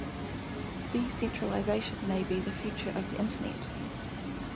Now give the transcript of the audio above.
Decentralization may be the future of the internet.